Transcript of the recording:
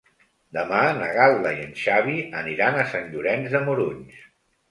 Demà na Gal·la i en Xavi aniran a Sant Llorenç de Morunys.